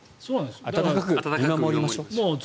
温かく見守りましょう。